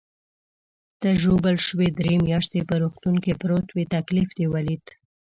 ته ژوبل شوې، درې میاشتې په روغتون کې پروت وې، تکلیف دې ولید.